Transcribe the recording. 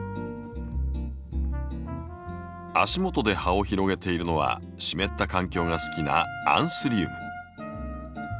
足元で葉を広げているのは湿った環境が好きなアンスリウム。